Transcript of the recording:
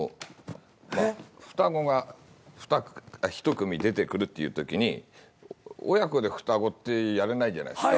双子が一組出てくるっていうときに親子で双子ってやれないじゃないですか。